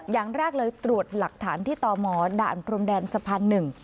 อย่างแรกเลยตรวจหลักฐานที่ตมด่านพรมแดนสะพานหนึ่ง